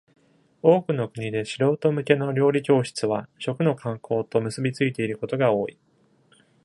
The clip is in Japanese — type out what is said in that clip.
多くの国で素人向けの料理教室は、食の観光と結びついていることが多い。